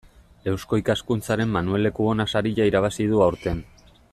Eusko Ikaskuntzaren Manuel Lekuona saria irabazi du aurten.